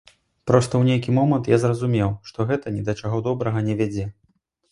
Проста, у нейкі момант я зразумеў, што гэта ні да чаго добрага не вядзе.